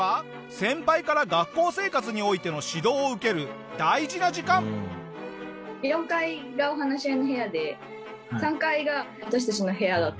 先輩から学校生活においての指導を受ける大事な時間。って言って上の人に怒られて。